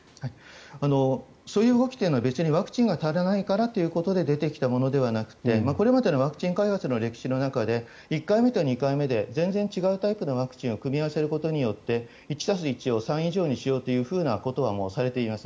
そういう動きというのは別にワクチンが足らないからということで出てきたものではなくてこれまでのワクチン開発の歴史の中で１回目と２回目で全然違うタイプのワクチンを組み合わせることによって１足す１を３以上にしようということはされています。